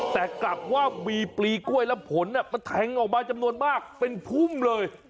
แต่กลับว่ามีปลีกล้วยและผลมันแทงออกมาจำนวนมากเป็นพุ่มเลย